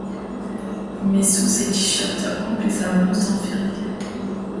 mais sous ses tshirts amples et sa blouse d'infirmier.